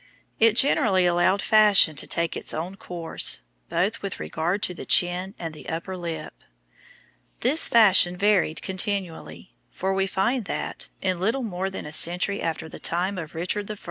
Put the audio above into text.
It generally allowed fashion to take its own course, both with regard to the chin and the upper lip. This fashion varied continually; for we find that, in little more than a century after the time of Richard I.